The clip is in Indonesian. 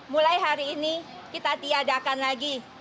mulai hari ini kita tiadakan lagi